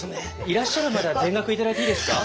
いらっしゃるまでは全額頂いていいですか？